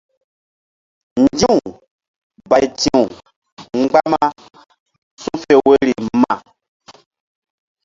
Nzi̧w bayti̧w mgbama su̧fe woyri ma.